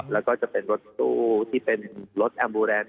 แล้วก็จะเป็นรถตู้ที่เป็นรถแอมบูแลนด